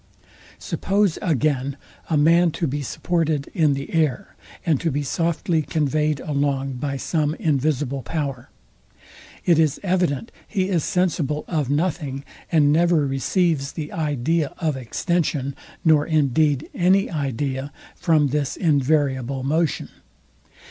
Suppose again a man to be supported in the air, and to be softly conveyed along by some invisible power; it is evident he is sensible of nothing, and never receives the idea of extension, nor indeed any idea, from this invariable motion.